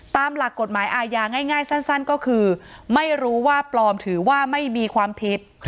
ตามหลักกฎหมายอาญาง่ายสั้นก็คือไม่รู้ว่าปลอมถือว่าไม่มีความผิด